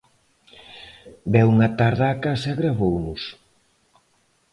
Veu unha tarde á casa e gravounos.